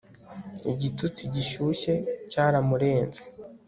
Igitutsi gishyushye cyaramurenze